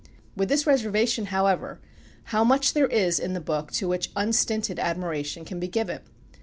With this reservation, however, how much there is in the book to which unstinted admiration can be given!